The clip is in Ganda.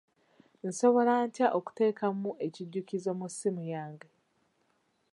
Nsobola ntya okuteekamu ekijjukizo mu ssimu yange?